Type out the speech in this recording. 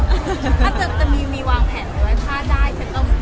ถ้าจะมีวางแผนไว้ถ้าได้ฉันต้อง